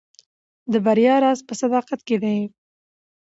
د بریا راز په صداقت کې دی.